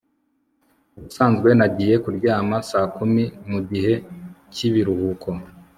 Ubusanzwe nagiye kuryama saa kumi mugihe cyibiruhuko